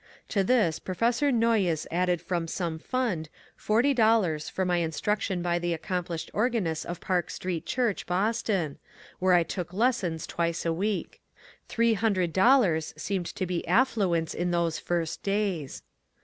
To this Professor Noyes added from some fund forty dollars for my instruction by the accomplished organist of Park Street Church, Boston, where I took lessons twice a week. Three hundred dollars seemed to be affluence in those first days.